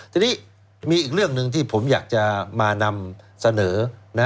ทีนี้มีอีกเรื่องหนึ่งที่ผมอยากจะมานำเสนอ